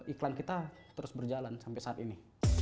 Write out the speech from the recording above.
iklan kita terus berjalan sampai saat ini